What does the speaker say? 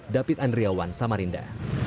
david andriawan samarinda